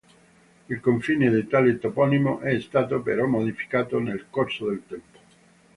Il confine di tale toponimo è stato però modificato nel corso del tempo.